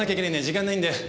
時間ないんだよ